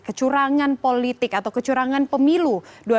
kecurangan politik atau kecurangan pemilu